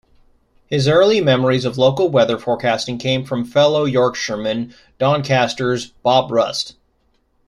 His early memories of local weather forecasting came from fellow Yorkshireman, Doncaster's Bob Rust.